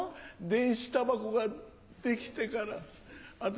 電子タバコが出来てから私